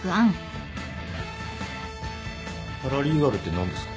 パラリーガルって何ですか？